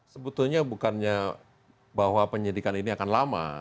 sebetulnya bukannya bahwa penyidikan ini akan lama